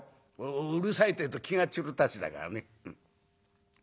うるさいってえと気が散るたちだからね。